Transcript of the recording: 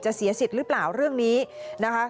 เสียสิทธิ์หรือเปล่าเรื่องนี้นะคะ